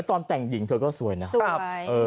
ตอนแต่งหญิงเธอก็สวยนะครับ